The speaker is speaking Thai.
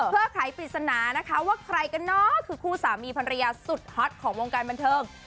เพื่อไขปริศนานะคะว่าใครกันเนอะคือคู่สามีภรรยาสุดฮอตของวงการบันเทิง